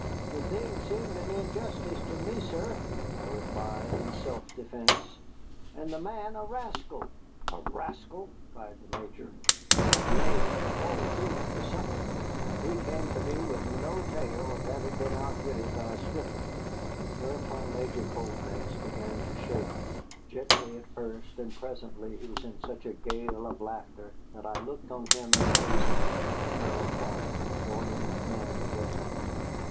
"The thing seemed an injustice to me, sir," I replied in self defence, "and the man a rascal." "A rascal!" cried the Major, "a knave, a poltroon, a simpleton! And he came to me with no tale of having been outwitted by a stripling." Whereupon Major Colfax began to shake, gently at first, and presently he was in such a gale of laughter that I looked on him in amazement, Colonel Clark joining in again.